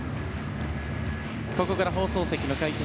ここから放送席の解説